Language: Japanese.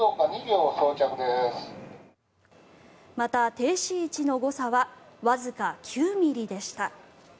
また、停止位置の誤差はわずか９ｍｍでした。